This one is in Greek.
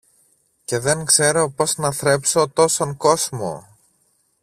Και δεν ξέρω πώς να θρέψω τόσον κόσμον!